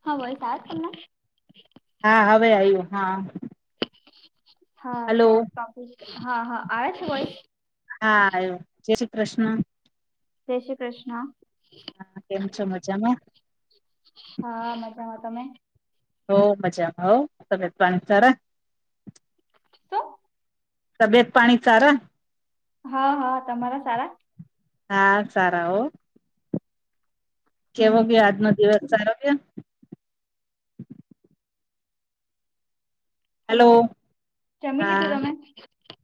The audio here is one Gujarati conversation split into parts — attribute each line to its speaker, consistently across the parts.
Speaker 1: [unintelligible]
Speaker 2: હા હવે આવ્યો હા
Speaker 1: હા
Speaker 2: હલો
Speaker 1: તો ટોપિક હા હા આવે છે વાઈસ?
Speaker 2: હા આવ્યો જય શ્રી કૃષ્ણ.
Speaker 1: જય શ્રી કૃષ્ણ
Speaker 2: હા કેમ છો મજામાં?
Speaker 1: હા મજામાં તમે?
Speaker 2: હો મજામાં હો તબિયત પાણી સાર
Speaker 1: શું
Speaker 2: તબિયત પાણી સારા?
Speaker 1: હા હા તમારા સારા?
Speaker 2: હા સારા હોય.. કેવો
Speaker 1: હમ
Speaker 2: ગયો આજનો દિવસ સારો ગયો? હલો
Speaker 1: જમી
Speaker 2: હા
Speaker 1: લીધું તમે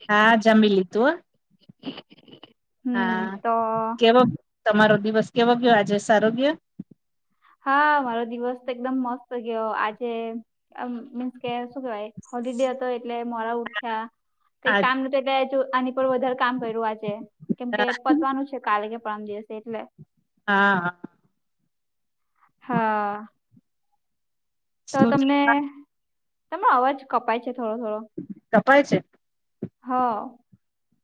Speaker 2: હા જમી લી તું હો
Speaker 1: [inaudible]
Speaker 2: હા
Speaker 1: તો
Speaker 2: કેવો ગયો તમારો દિવસ કેવો ગયો આજે સારો ગયો?
Speaker 1: હા મારો દિવસ તો એકદમ મસ્ત ગયો આજે મ મીન્સ કે શું કેવાય હોલિડે હતો એટલે મોરા ઉ કઈ
Speaker 2: આજ
Speaker 1: કામ નતુ એટલે આની પર વધારે કામ કર્યું આજે કેમ
Speaker 2: હા
Speaker 1: કે પતવાનું છે. કાલે કે પરમ દિવસે એટલે
Speaker 2: હા
Speaker 1: હા. તો
Speaker 2: શું
Speaker 1: તમને, તમે અવાજ કપાય છે થોડો થોડો,
Speaker 2: કપાય છે
Speaker 1: હ.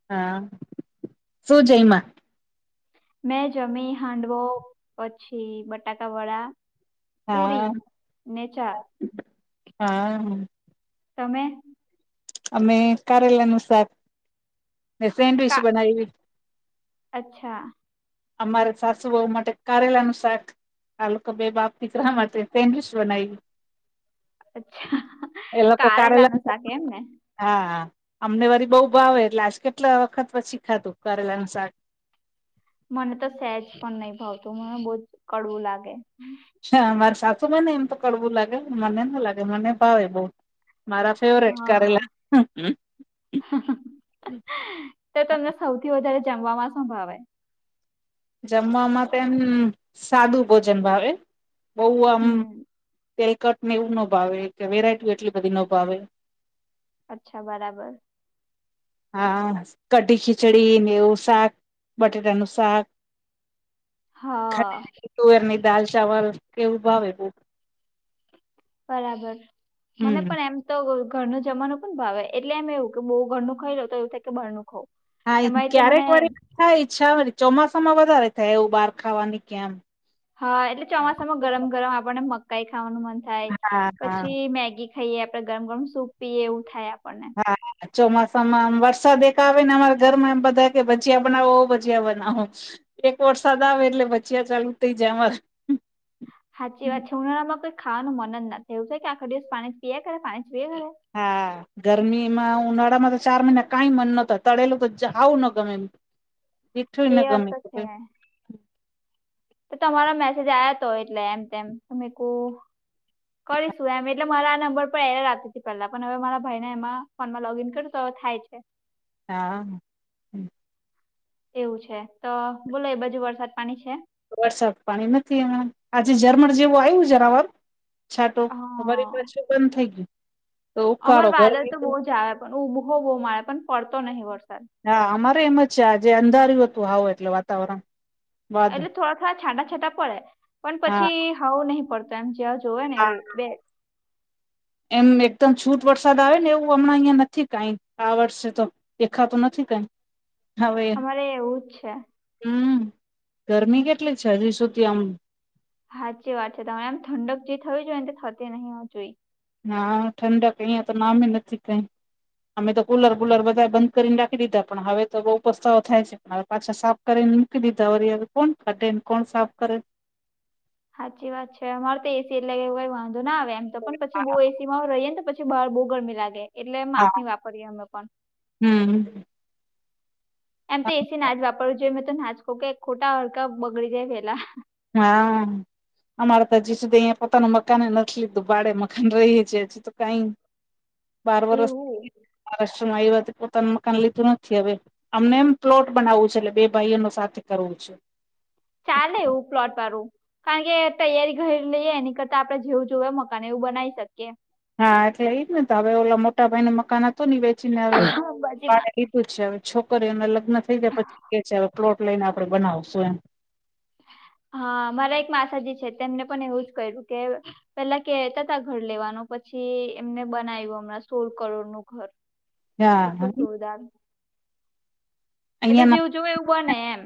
Speaker 2: હા શું જયમા?
Speaker 1: મેં જમી હાંડવો પછી બટાકા વડા પૂરી
Speaker 2: હા
Speaker 1: ને ચા
Speaker 2: હા હ
Speaker 1: તમે?
Speaker 2: અમે કારેલા નું શાક ને સેન્ડવીચ
Speaker 1: કા
Speaker 2: બનાયવી.
Speaker 1: અચ્છા.
Speaker 2: અમારે સાસુભાવ માટે કારેલા નું શાક. આ લોકો બે બાપ થી ગ્ર મળલશ બનાવી.
Speaker 1: અચ્છા,
Speaker 2: એ લોકો
Speaker 1: કારેલા ન શાક એમ ને.
Speaker 2: હા, અમને વરી બઉુ ભાવે એટલે આજ કેટલા વખત પછી ખાધું કરેલાનું શાક.
Speaker 1: મને તો સેજ પણ નહી ભાવતું મને બહજ કડવું લાગે.
Speaker 2: હા મારે સાસુમાં ને એમ તો કડવું લાગે મને ના લાગે મને ભાવે બઉ. મારા ફેવરેટ
Speaker 1: હા
Speaker 2: કરેલા.
Speaker 1: તો તમને સૌથી વધારે જમવામાં શું ભાવે?
Speaker 2: જમવામાં તેમ એમ સાદું ભોજન ભાવે, બહ આમ
Speaker 1: હમ
Speaker 2: તેલકટ ને એવું નો ભાવે કે વેરાયટી એટલી બધી નો ભાવે.
Speaker 1: અચ્છા બરાબર.
Speaker 2: હા કઢી ખીચડી નેવું શાક બટેટાનું શાક.
Speaker 1: હા.
Speaker 2: તુવેર ની દાલ ચાવલ કેવું ભાવે બ.
Speaker 1: બરાબર, મને
Speaker 2: હમ
Speaker 1: પણ એમ તો ઘર ન જમાનું પણ ભાવે એટલે એમ એવું કે બહુ ઘરનું ખાઈ લો તો એવું થાય કે બાર નું ખઉં.
Speaker 2: હા ક્યારેક વળ થાય છા ચોમાસામાં વધારે થાય એવું બહાર ખાવાની કેમ.
Speaker 1: હા એટલે ચોમાસામાં ગરમ ગરમ આપણને મકાઈ ખાવાનું મન થાય,
Speaker 2: હા હા
Speaker 1: પછી મેગી ખઈએ આપડે ગમ ગરમ સૂપ પીએ એવું થાય આપણને.
Speaker 2: હા. [unintelligible] ચોમાસામાં વરસાદ એકા આવે ને અમારા ઘરમાં એમ બધા કે ભજીયા બનાવો ભજીયા બનાવો. એક વરસાદ આવે એટલે બચિયા ચાલુ થઇ જમાં.
Speaker 1: સાચી વાત છે ઉના માં કોઈ ખાવાનું મન જ નથી એવું છે કે આખો દિવસ પાણી જ પીએ કરે પાણી પીવે કરે.
Speaker 2: હા. ગરમીમાં ઉનાળામાં તો ચાર મહિના કાઈ મન નત તળેલું તો જ આવું ન ગમે એ. દઠું
Speaker 1: એ
Speaker 2: ના
Speaker 1: વાત
Speaker 2: કમે
Speaker 1: તો છે
Speaker 2: કર
Speaker 1: તો તમારા મેસેજ આ્યા તો એટલે એમ તેમ તમે કહ કરીશું એમ એટલે મારા આ નંબર પર એતી હતી પહેલા પણ હવે મારા ભાઈ ને એમાં ફોન માં લોગઈન કર તો થાય છે.
Speaker 2: હા.
Speaker 1: એવું છે તો બોલો એ બધુ વરસાદ પાણી છે?
Speaker 2: વરસાદ પાણી નથી એ આજે જર્મણ જેવું આવ્યું જરાવાર. છાટો અમારી
Speaker 1: હા
Speaker 2: પાછું બંધ થઈ ગયું, તો
Speaker 1: અમાર
Speaker 2: ઉકાળો
Speaker 1: વાદળ તો
Speaker 2: ગરમી.
Speaker 1: બહુ જ આવે પણ ઊભો બોમાળે પણ પડતો નહીં વરસાદ.
Speaker 2: હા અમારે એમ જ છે આજે અંધાર્યું હતું આવું એટલે વાતાવરણ. વાદળ
Speaker 1: એટલે થોડા થોડા છાંડા છાંતાં પડે, પણ
Speaker 2: હા
Speaker 1: પછી હવો નહી પડતો એમ. જોવે ને
Speaker 2: હા
Speaker 1: એવું બે
Speaker 2: એમ એકદમ છૂટ વરસાદ આવે ને એવું હમણાં અહિયાં નથી કઈ આ વર્ષે તો. દેખાત નથી કઈ.
Speaker 1: અમારે એવું જ છે.
Speaker 2: હમ્મ ગરમી કેટલી છે હજી સુધી આમ
Speaker 1: સાાચી વાત છે તમારે આમ ઠંડક જે થવી જોઈ ને થતી નહીં હ જોઈ
Speaker 2: હા ઠંડ કહી તો નામે નથી કઈ અમે તો કુલર બુલર બધા બંધ કરીને નાખી દીધા પણ હવે તો બઉ ઉપસ્તાવો થાય છે. મા પાછા સાફ કરી ને મૂકી દીધા વર કોણ કઢે ને કોણ સાફ કરે.
Speaker 1: સાચી વાત છે અમારે તો એ સી એટલેવ વાંધો ના આવે એમ તો પણ પછી બહુ એ સી રહીએને તો પછી બ બહુ ગરમી લાગે એટલે માપ
Speaker 2: હા
Speaker 1: ની વાપરીએ અમે પણ.
Speaker 2: હમ.
Speaker 1: એમ તો એ સી નાચ વાપરવું જોઈએ મેં તો નાચ કે ખોટા હડકા બગડી જાય પેલા.
Speaker 2: હા. અમારે તો હજી સુધી અહીંયા પોતાનું મકાન ને નથી લીધું ભાડે મકાન રહીએ છીએ હજી તો કઈ બાર વરષ
Speaker 1: એવું
Speaker 2: મહારાષ્ટ્રમાં આવી વાતે પોતાનું મકાન લીધું નથી હવે અમને એમ પ્લોટ બનાવવું છે એટલે બે ભાઈઓનો સાથે કરવું છે.
Speaker 1: ચાલે એવું પ્લોટ વાળું કારણ કે તૈયારી ઘરે લઈએ એની કરતા આપડે જેવું જોએ મકાન એવું બનાવી શકીએ
Speaker 2: હા એટલે એઈજ ને તો હવે ઓલા મોટા ભાઈ નું મકાન હતું ઈ વેચીને
Speaker 1: બાજુમાં
Speaker 2: કીધું છે હવે છોકરીઓને લગ્ન થઈ જાય પછી કે છે હ પ્લોટ લઈને આપણે બનાવશું એમ
Speaker 1: હા મારા એક માસાજી છે તેમને પણ એવું જ કર્યું કે પેલા કેતા હતા ઘર લેવાનું પછી એમને બનાવ્યું હમણાં સોળ કરોડ નું ઘર
Speaker 2: હા
Speaker 1: એટલું જોરદાર એટલે
Speaker 2: અહિયાં
Speaker 1: જેવું જોવે એવું બને એમ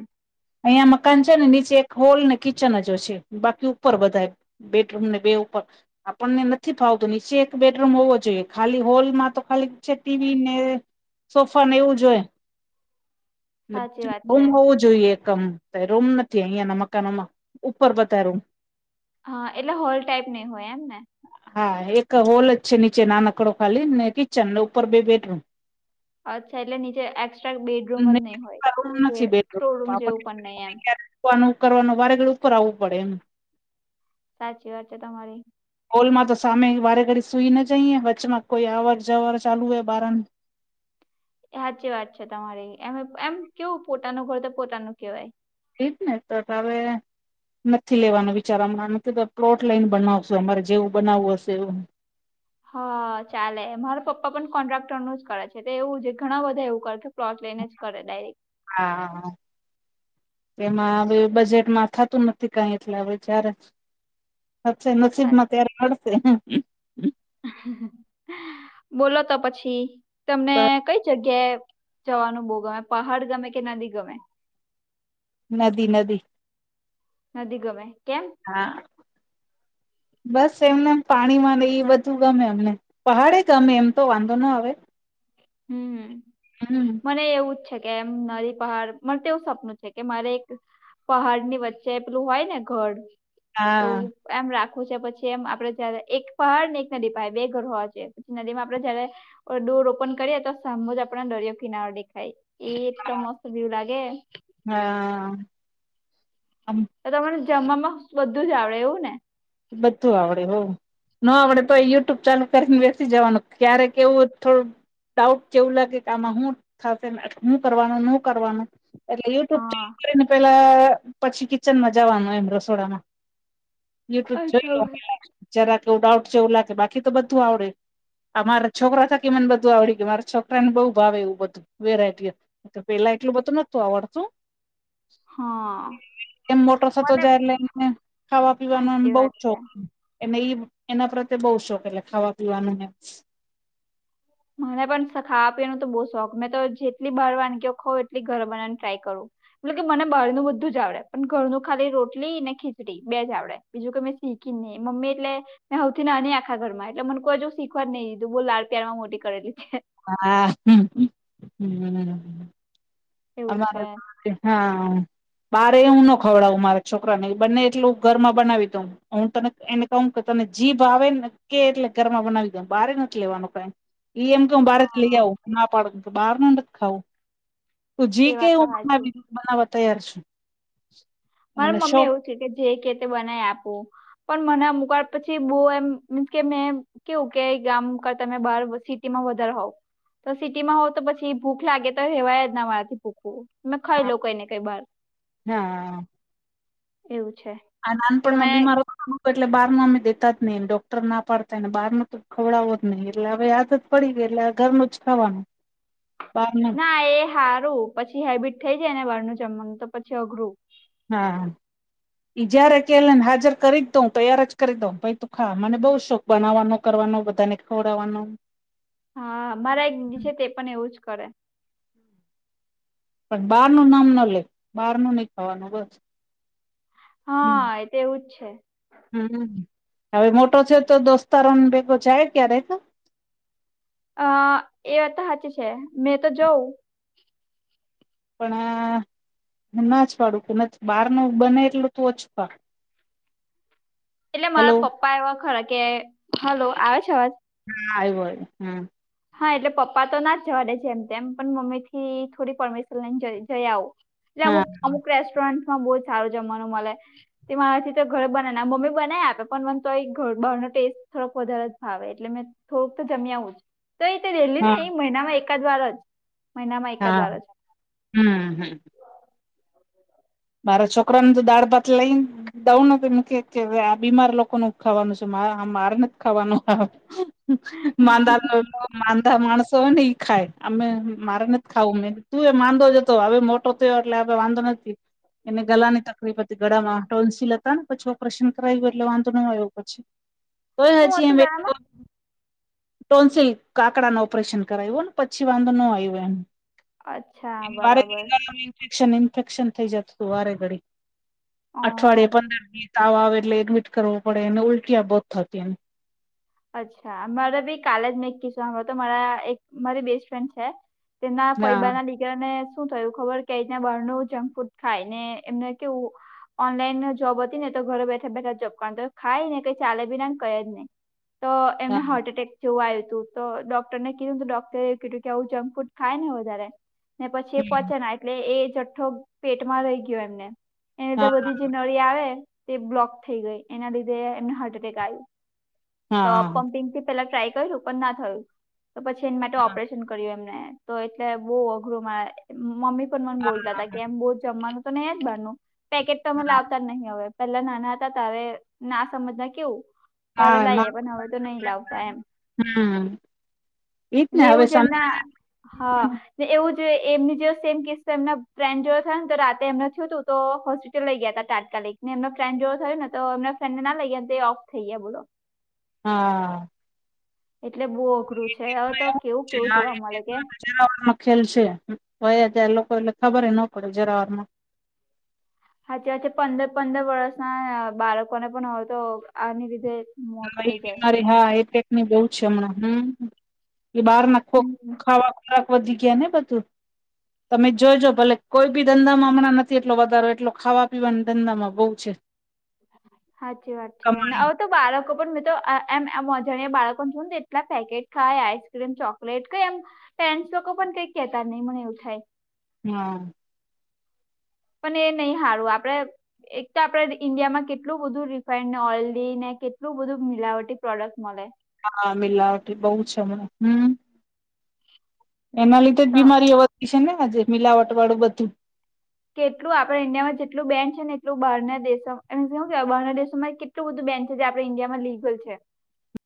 Speaker 2: અહિયાં મકાન છે ને નીચે એક હોલ ને કિચન જ છે બાકી ઉપર બધા બેડરૂમ ને બે ઉપર આપણને નથી ફાવતું નીચે એક બેડરૂમ હોવો જોઈએ ખાલી હોલમાં તો ખાલી છે ટીવી ને સોફા ને એવું જોય એ
Speaker 1: સાચી વાત
Speaker 2: રૂમ
Speaker 1: છે
Speaker 2: હોવું જોઈએ કમ રૂમ નથી અહિયાંના મકાનોમાં ઉપર બતા રૂમ.
Speaker 1: હા એટલે હોલ ટાઈપ નઈ હોય એમ ને
Speaker 2: હા એક હોલ જ છે નીચે નાનકડો ખાલી ને કિચન ઉપર બેડરૂમ
Speaker 1: અચ્છા એટલે નીચે એસ્ટ્રા બેડરૂમ જ નહી હોય
Speaker 2: રૂમ
Speaker 1: કે
Speaker 2: નથી બેડરૂમ
Speaker 1: સ્ટોરરૂમ જેવું પણ નહી એમ
Speaker 2: કરવાનું વારેગડી ઉપર આવવું પડે એમને
Speaker 1: સાચી વાત છે તમારી
Speaker 2: હોલમાં તો સામે વારે ઘડી સુઈ ન જઈએ વચમાં કોઈ આવર જવર ચાલુ હોય બહારને
Speaker 1: સાચી વાત છે તમારી એ એમ કેવું પોતાનું ઘર તો પોતાનું કેવાય
Speaker 2: ઠીક ને તો હવે નથી લેવાનો વિચાર અમારા નથી પ્લોટ લઈને બનાવશો અમારે જેવું બનાવું હશે એવું
Speaker 1: હા ચાલે મારા પપ્પા પણ કોન્ટ્રાક્ટર નું જ કરે છે તો એવું છે ઘણા બધા એવું કરે છે. પ્લોટ લઇને જ કરે ડાયરેક્ટ
Speaker 2: હા હા એમાં હ બજેટમાં થતું નથી કઈ એટલે હવે જ્યારે. હાડે
Speaker 1: સાચું.
Speaker 2: નસીબમા તાર મળશે
Speaker 1: બોલો તો પછી તમને
Speaker 2: બસ
Speaker 1: કઈ જગ્યાએ જવાનું બહુ ગમે પહાડ ગમે કે નદી ગમે
Speaker 2: નદી નદી
Speaker 1: નદી ગમે કેમ.
Speaker 2: હા બસ એમનેમ પાણીમાંને એ બધું ગમે એમને પહાડે ગમે એમ તો વાંધો નો આવે
Speaker 1: હમ્મ
Speaker 2: હમ.
Speaker 1: મને એવું છે. કે એમ નદી પહાડ મનતો એવુ સપનું છે કે મારે એક. પહાડ ની વચ્ચેેલું હોય ને ઘર એવું.
Speaker 2: હા
Speaker 1: એમ રાખું છે પછી એમ આપડે જારે એક પહાડ ને એક નદી પાય બે ઘર હોવા જોયે નદી માં આપડે જ દૂર રોપણ. કરીએ તો સાંભે જ આપણા દરિયો કિનારો દેખાય એ એટલો મસ્ત વ્યુ લાગે.
Speaker 2: હા. આમ
Speaker 1: તો તમને જમવામાં બધું જ આવડે એવું ને.
Speaker 2: બધું આવડે હો. ન આવડે તો યુટ્યુબ ચાલુ કરીને બેસી જવાનું ક્યારેક કે એવું થોડું. ડાઉટ કેવું લાગે કે આમાં હું થશે હું કરવાનું ન કરવાનું. એટલે યુટ્યુબ
Speaker 1: હા
Speaker 2: કરીને પેલા પછી કિચન માં જવાનું એમ રસોડામાં. યુટ્યુબ જોય
Speaker 1: અચ્છા.
Speaker 2: લો જરા કેું ડાઉટ છેવું લાગે બાકી તો બધું આવડે. આ મારા છોકરા થકી મને બધું આવડી ગયું મારા છોકરા ને બહુ ભાવે એવું બધું વેરાયટીઓ. તો પેલા એટલું બધું નતું આવડતું.
Speaker 1: હા
Speaker 2: એમ મોટા થતો
Speaker 1: મને
Speaker 2: જાય એટ લને ખાવા. પીવાનો એ
Speaker 1: સાચી
Speaker 2: બહુ
Speaker 1: વાત છે
Speaker 2: શોખ એને એના પ્રત્યે બઉ શોખ એટલે ખાવા પીવાનું.
Speaker 1: મને પણ ખાવા પીવાનું તો બહુ શોખ મેં તો જેટલી બહારવાની કે ખઉ એટલી ઘર બનાવાની ટ્રાય કરું. મલ કે મને બહારનું બધું જ આવડે પણ ઘરનું ખાલી રોટલી ને ખીચડી બે જ આવડે. બીજું કાય મે સીખી ન‌ઇ મમ્મી એટલે. મે હ‌ઉ થી નાની આખા ઘરમાં એટલેને કોઈવ શીખવા જ નહીં દીધું બહુ લાડ પ્યારમાં મોટી કરી દિધી.
Speaker 2: હા હ
Speaker 1: એવું
Speaker 2: અમારે.
Speaker 1: છે
Speaker 2: હા બારે હું નો ખવડાવું મારા છોકરાને બંને એટલું ઘરમાં બનાવી દ‌ઉ. હું તને એને કહું કે તને જીભ આવે ને કે એટલે ઘરમાં બનાવી દ‌ઉ બાર નથી લેવાનું કઈ. ઇ એમ. હું બારે થી લઈ
Speaker 1: હા
Speaker 2: આવું ના પાડુ તો બહાર ન ખાવું તું જી
Speaker 1: એ
Speaker 2: કે
Speaker 1: વાત તો
Speaker 2: હું
Speaker 1: સાચી
Speaker 2: બાનાવી. બનાવવા તૈયાર છું.
Speaker 1: મારા
Speaker 2: મને
Speaker 1: મમ્મી
Speaker 2: શોખ
Speaker 1: એવું છે કે જે કે તે બનાવી આપવું. પણ મને અમુક વાર પછી બહુ એમ મીસ કે મે. કેવું કે ગામ કરતે તમે બાર સિટી માં વધારે હોવ. તો સિટી માં હોવ તો પછી ભૂખ લાગે તો રેવાય જ ના મારાથી ભૂખવું તમે ખાઈ લો કઈ ને કઈ બહાર.
Speaker 2: હા.
Speaker 1: એવું છે.
Speaker 2: આ નાનપણ
Speaker 1: તમે
Speaker 2: માં બીમારો. હું તો એટલે બાર નુ અમ દેતા જ નહી ડોક્ટર ના પાડતા ને બારો તો ખવડાવો જ નહી‌ એટલે હવે આદત. પડી ગઈ એટલે ઘરનું જ ખાવાનું બાર.
Speaker 1: હા એ હારું પછી હેબિટ થઈ જાયને બારનું જમવાનું તો પછી અઘરું.
Speaker 2: હા. ઈ જયારે કે ને હાજર કરી જ દઉં તૈયાર જ કરી દઉં ભાઈ તું ખા મને બહુ શોખ. બનાવવાનો કરવાનો બધાને ખવડાવવાનો.
Speaker 1: હા મારા એક દીદી છે તે પણ એવું જ કરે.
Speaker 2: પણ બહાર નું નામ ના લે બાર નું નહી ખવાનું બસ. હમ.
Speaker 1: તેવું જ છે.
Speaker 2: હવે મોટો છે તો દોસ્તારોને ભેગો જાય ક્યારે.
Speaker 1: અ એ વાત હાચી છે મેં તો જઉં.
Speaker 2: પણ આ નાજ પાડું કે નથી બહાર નુ બને એટલું તું ઓછુ ખા. [unintelligible]
Speaker 1: એટલે મારા પપ્પા એવા ખરા કે હલો આવે છે અવાજ.
Speaker 2: હા આઈબો હમ.
Speaker 1: હા એટલે પપ્પા તો ના જવા દે જેમ તેમ પણ મમ્મી થી થોડી પરમિશન લઈને જઈ આવ. એટલે
Speaker 2: હા
Speaker 1: અમુક અમુક રેસ્ટોરન્ટમાં બહુ જ સારું જમવાનું મળે. તે મારાથી તો ઘર બનાવ મમ્મી બનાવી આપે પણ મને તો એ ઘ બહારનો ટેસ્ટ થોડોક વધારે ભાવે એટલે મે થોડુંક તો જમ્યા આવું જ તો એ
Speaker 2: હા
Speaker 1: રેલી ને
Speaker 2: હા
Speaker 1: એ મહિનામાં એકાદ વાર જ મહિનામાં એકાદ
Speaker 2: હા
Speaker 1: વાર જ.
Speaker 2: હમ હમ મારો છોકરન તો દાળભાત લઈ ને દઉં ન એ કે કે આ બીમાર લોકોનું ખાવાનું છે મારે આ મારે નથી ખાવાનું. માંદા [inaudible] માંદા માણસો હોય ને ઈ ખાય. અમે મારે નથ ખાવું મે તું એ માંદો જ હતો હવે મોટો થયો એટલે હવે વાંધો નથી. એને ગલાની તકલીફ હતી ગળામાં ટોન્સીલ હતા ને પછી ઓપરેશન કરાવ ગયું એટલે વાંધો ન આવ્યો પછી. તોએ
Speaker 1: શું
Speaker 2: હછી એ
Speaker 1: હતું
Speaker 2: બે.
Speaker 1: ગળામાં
Speaker 2: ટોન્સીલ કાકડા નુ ઓપરેશન કરાવ હોને પછી વાંધો ન આવ્યો એમ.
Speaker 1: અચ્છા
Speaker 2: મારે
Speaker 1: બરાબર
Speaker 2: [inaudible] ઇન્ફેક્શન ઇન્ફેક્શન થઈ જતું હતું વારે ઘડી
Speaker 1: અમ
Speaker 2: અઠવાડિયે પંદર દિવસ તાવ આવે એટલે એડમિટ કરવો પડે એ અને ઉલટિયા બહુ થતી ને એમ.
Speaker 1: અચ્છા મારે બી કાલે જ મેં એક કિસ્સો હાંભળ્યો તો મારા એક મારી બેસ્ટ ફ્રેન્ડ છે. તેના
Speaker 2: હા
Speaker 1: ફઇબાના દિક તે અને શું થયું ખબર કે અહીંનું બરનું જંક ફૂડ ખાય ને એમને કેવું ઓનલાઈન જોબ હતી ને તો ઘરે બેઠા બેઠા જોબ કર ખાય ને કઈ ચાલે બી નાને કઈ જ નઈ. તો
Speaker 2: હા
Speaker 1: એમને હાર્ટ એટેક જેવું આયુ તું તો ડોક્ટરને કીધું ને તો ડોક્ટરે એ કીધું કે આવું જંક ફૂડ ખાય ને વધારે ને પછી એ
Speaker 2: હમ
Speaker 1: પચેના એટલે એ જઠ્ઠો પેટમાં રહી ગયો એમને એની
Speaker 2: હા
Speaker 1: લીધે બધી જે નળ નળી આવે તે બ્લોક થઈ ગઈ એના લીધે એમને હાર્ટ એટેક આયુ. તો
Speaker 2: હા
Speaker 1: પમ્પિંગથી પેલા ટ્રાય કર્યું પન ના થયું તો પછી એની માટે ઓપરેશન કર્યું એમને તો એટલે બહુ અઘરું મારા મમ્મી પણ મને બોલતા તા કે
Speaker 2: હા
Speaker 1: એમ બહુ જમવાનું તો નહીં જ બારનું. પેકેટ તો અમે લાવતા જ નહી હવે પેલા નાના હતા તારે ના સમજને કેવું તારે
Speaker 2: હા
Speaker 1: લાઈએ
Speaker 2: ના
Speaker 1: પણ હવે તો નહી લાવતા એમ.
Speaker 2: હમ એજ
Speaker 1: ને
Speaker 2: હવે
Speaker 1: એવું જ એમના
Speaker 2: સાંજે
Speaker 1: હહ ને એવું જો એમની જેવો સેમ કિસ્સો એમના ફ્રેન્ડ જોડે થયોન તો રાતે એમને થયું તું. તો હોસ્પિટલ લઈ ગયાતા તાત્કાલિક ને એમનો ફ્રેન્ડ જોડે થયું ને તો એમના ફ્રેન્ડને ના લઈ ગયા અને તે ઓફ થઈ ગયા બોલો
Speaker 2: હા
Speaker 1: એટલે બહુ અઘરું છે હવે તો કેવું કેવું જોવા મલે કે
Speaker 2: જરા વારનો ખેલ છે હવે અત્યારે લોકોને ખબરે ન પડે જરાવારમાં.
Speaker 1: હાચી વાતે પંદર પંદર વર્ષના બાળકોને પણ હવે તો આની લીધે મોત
Speaker 2: હા એ
Speaker 1: થઈ જાય
Speaker 2: બીમારી હા એટેકની બહુ છે હમણાં હમ. એ બહારના ખો
Speaker 1: હમ
Speaker 2: ખાવા ખોરાક વધી ગયાને બધું. તમે જો જો ભલે કોઈ બી ધંધામાં હમણાં નથી એટલો વધારો એટલો ખાવા પીવાના ધંધામાં બહુ છે.
Speaker 1: હાચી વાત છે ને
Speaker 2: કમાણી
Speaker 1: હવ તો બાળકો પણ મેં તો એમ એમ અજાણ્યા બાળકોને જોન તો એટલા પેકેટ ખાય, આઈસક્રીમ ચોકલેટ કઈ એમ પેન્ટસ લોકો પણ કઈ કેતા નહીં મને એવું થાય.
Speaker 2: હા
Speaker 1: પન એ નહી હારુ આપડે એક તો આપડે ઈન્ડિયામાં કેટલું બધું રિફાઈન્ડ ઓઇલીને કેટલું બધું મિલાવટી પ્રોડક્ટ મલે.
Speaker 2: હા મિલાવટી બહુ છે હમણાં હમ. એના લીધે જ બીમારીઓ વધી છે ને આજે મિલાવટ વાળું બધું.
Speaker 1: કેટલું આપડા ઈન્ડિયામાં જેટલું બેન છે ને એટલું બહારના દેશો એ મીન્સ હું કેવાય બહારના દેશોમાં એ કેટ કેટલું બધું બેન છે જે આપણા ઇન્ડિયામાં લીગલ છે.